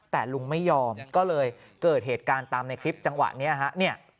แต่ลุงไม่ยอมก็เลยเกิดเหตุการณ์ตามในคลิปจังหวะนี้ฮะเนี่ย